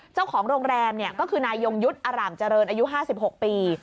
เจ้าของโรงแรมก็คือนายยงยุทธ์อร่ามเจริญอายุ๕๖ปี